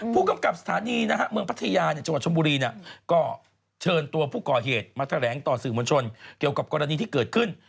ผู้กำกับสถานีเมืองพัทยาจังหวัดชมบุรีก็เชิญตัวผู้ก่อเหตุมาแถลงต่อสื่อมวลชนเกี่ยวกับกรณีที่เกิดขึ้น